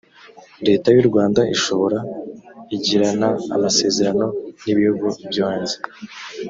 leta y u rwanda ishobora igirana amasezerano nibihugu byohanze.